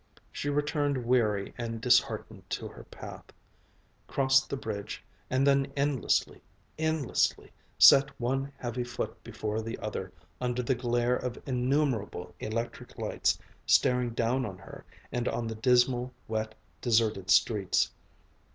She returned weary and disheartened to her path, crossed the bridge, and then endlessly, endlessly, set one heavy foot before the other under the glare of innumerable electric lights staring down on her and on the dismal, wet, and deserted streets.